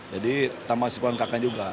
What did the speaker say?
jadi tambah simpan kakaknya juga